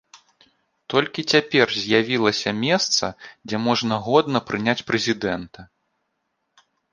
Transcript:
Толькі цяпер з'явілася месца, дзе можна годна прыняць прэзідэнта.